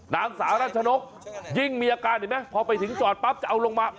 นางสาวรัชนกยิ่งมีอาการเห็นไหมพอไปถึงจอดปั๊บจะเอาลงมา